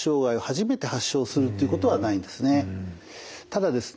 ただですね